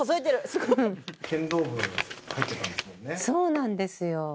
そうなんですよ。